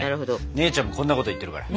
姉ちゃんもこんなこと言ってるから。